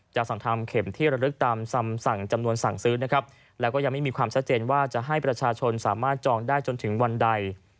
สั่งทำเข็มที่ระลึกตามคำสั่งจำนวนสั่งซื้อนะครับแล้วก็ยังไม่มีความชัดเจนว่าจะให้ประชาชนสามารถจองได้จนถึงวันใด